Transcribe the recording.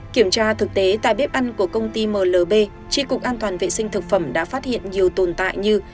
kiểm tra thực tế tại bếp ăn của công ty mlb tri cục an toàn vệ sinh thực phẩm đã phát hiện nhiều tồn tại như